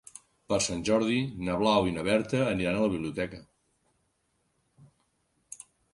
Per Sant Jordi na Blau i na Berta aniran a la biblioteca.